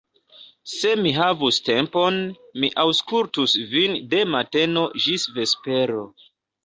Se mi havus tempon, mi aŭskultus vin de mateno ĝis vespero.